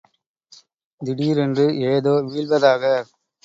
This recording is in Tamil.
திடீரென்று ஏதோ வீழ்வதாக.